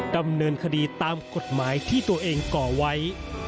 ดำเนินคดีตามกฎหมายที่ตัวเองก่อไว้